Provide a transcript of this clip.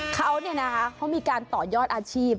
เขาเนี่ยนะคะเขามีการต่อยอดอาชีพ